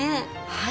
はい。